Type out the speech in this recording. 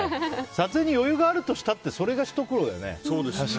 撮影に余裕があるとしたってそれがひと苦労だよね。